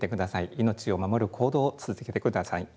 命を守る行動を続けてください。